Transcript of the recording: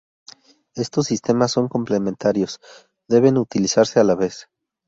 Estos sistemas son complementarios, deben utilizarse a la vez.